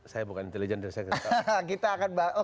saya bukan intelligent dari sekitar